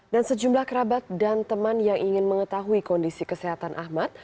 dan sejumlah kerabat dan teman yang ingin mengetahui kondisi kesehatan ahmad